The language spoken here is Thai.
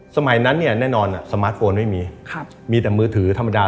สมัยนั้นเนี่ยแน่นอนสมาร์ทโฟนไม่มีมีแต่มือถือธรรมดา